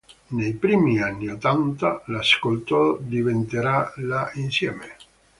Nei primi anni ottanta la Ascolto diventerà la Insieme.